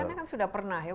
karena kan sudah pernah ya